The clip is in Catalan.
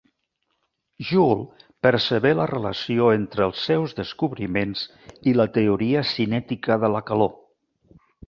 Joule percebé la relació entre els seus descobriments i la teoria cinètica de la calor.